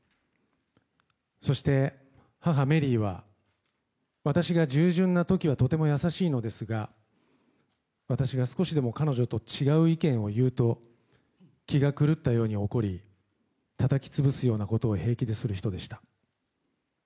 そして、母メリーは私が従順な時はとても優しいのですが私が少しでも彼女と違う意見を言うと気が狂ったように怒りたたき潰すようなことを平気でする人でした。